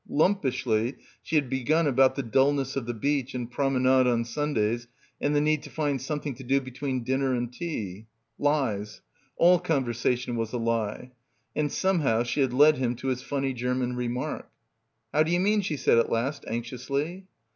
Lump ishly she had begun about the dullness of the beach and promenade on Sundays and the need to find something to do between dinner and tea — lies. All conversation was a lie. And somehow she had led him to his funny German remark. "How do you mean?" she said at last anxiously.